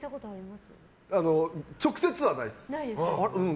直接はないです。